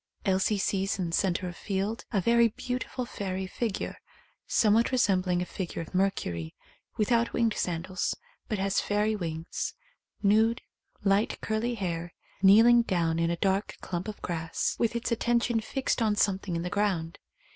Elsie sees in centre of field a very beautiful fairy figure, somewhat resembling a figure of Mercury, without winged sandals, but has fairy wings. Nude, light curly hair, kneeling down in a 115 THE COMING OF THE FAIRIES dark clump of grass, with its attention fixed on something in the ground.